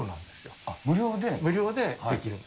無料で？